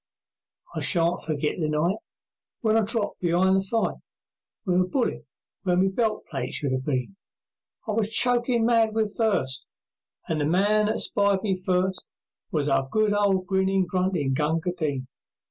I shan't forget the night When I dropped be'ind the fight With a bullet where my belt plate should have been. I was chokin' mad with thirst, And the man that spied me first Was our good ol' grinnin', gruntin' Gunga Din.